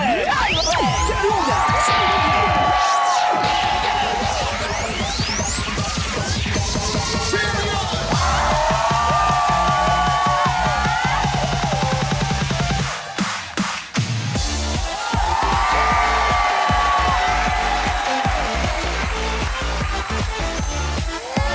ทุกคนกำลังมือทุกคน